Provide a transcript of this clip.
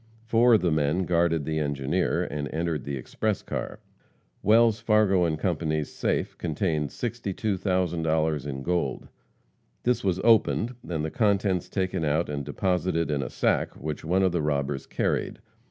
Four of the men guarded the engineer, and entered the express car. Wells, Fargo & Co.'s safe contained $62,000 in gold. This was opened, and the contents taken out and deposited in a sack which one of the robbers carried.